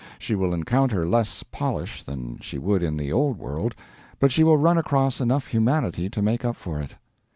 She will encounter less polish than she would in the old world, but she will run across enough humanity to make up for it.